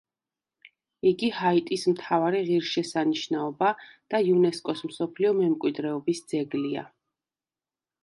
იგი ჰაიტის მთავარი ღირსშესანიშნაობა და იუნესკოს მსოფლიო მემკვიდრეობის ძეგლია.